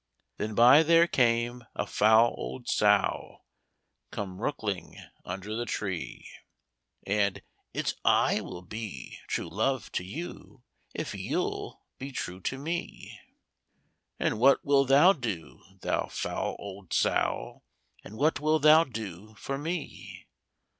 Then by there came a foul old sow, Came rookling under the tree; And 'It's I will be true love to you, If you'll be true to me.' 'And what wilt thou do, thou foul old sow? And what wilt thou do for me?'